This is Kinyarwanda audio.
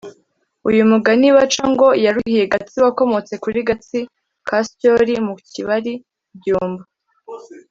Uyu mugani baca ngo: Yaruhiye gatsi wakomotse kuli Gatsi ka Syoli mu Kibali (Byumba)